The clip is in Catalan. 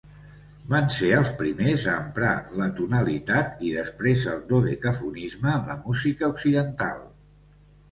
Van ser els primers a emprar l'atonalitat i després el dodecafonisme en la música occidental.